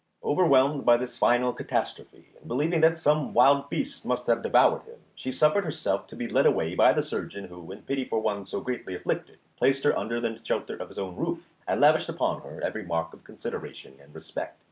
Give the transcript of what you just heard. Overwhelmed by this final catastrophe, and believing that some wild beast must have devoured him, she suffered herself to be led away by the surgeon, who, in pity for one so greatly afflicted, placed her under the shelter of his own roof, and lavished upon her every mark of consideration and respect.